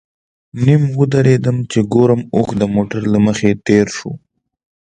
نیم ودرېدم چې ګورم اوښ د موټر له مخې تېر شو.